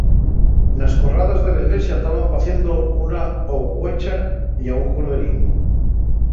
Nas corradas de la ilesia taban paciendo una ougüecha ya un cordeirín.